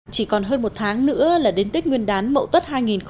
chỉ còn hơn một tháng nữa là đến tết nguyên đán mậu tuất hai nghìn một mươi tám